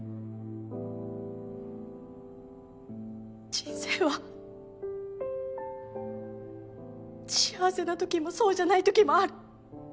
人生は幸せなときもそうじゃないときもある。